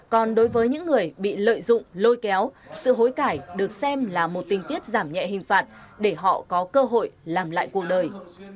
còn đối với những người bị lợi dụng lôi kéo sự hối cãi được xem là một tình tiết giảm nhẹ hình phạt để họ có cơ hội làm lại cuộc đời